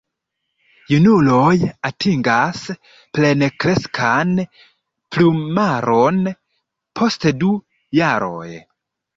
Junuloj atingas plenkreskan plumaron post du jaroj.